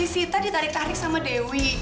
sita ditarik tarik sama dewi